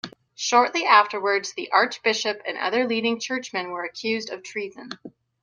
Shortly afterwards the archbishop and other leading churchmen were accused of treason.